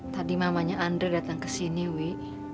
tadi mamanya andre datang ke sini wi